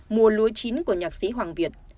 mùa lúa chính của nhạc sĩ hoàng việt